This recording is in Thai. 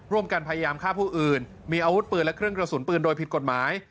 ร่วมกันพยายามฆ่าผู้อื่นมีอาวุธปืนและเครื่องกระสุนปืนโดยผิดกฎหมาย